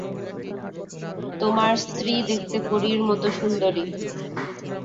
তোমার স্ত্রী দেখতে পরীর মত সুন্দরী।